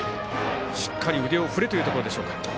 しっかり腕を振れというところでしょうか。